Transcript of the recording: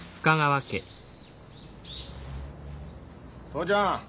父ちゃん